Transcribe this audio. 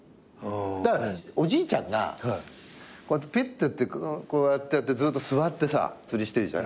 だからおじいちゃんがこうやってぴってやってこうやってやってずっと座って釣りしてるじゃん。